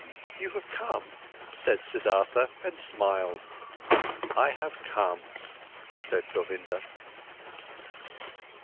"You have come," said Siddhartha and smiled. "I have come," said Govinda.